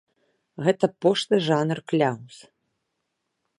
Гэта пошлы жанр кляўз.